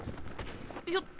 よっと。